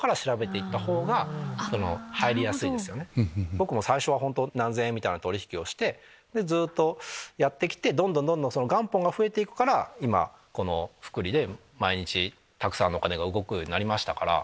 僕も最初は何千円みたいな取引をしてずっとやってきてどんどん元本が増えていくから今この複利で毎日たくさんのお金が動くようになりましたから。